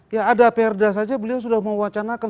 ya ada perda saja beliau sudah mewacanakan